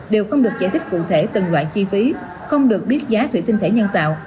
đều không được giải thích cụ thể từng loại chi phí không được biết giá thủy tinh thể nhân tạo